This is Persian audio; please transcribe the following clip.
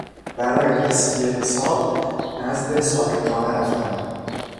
برای تسویه حساب نزد صاحبخانه رفتم.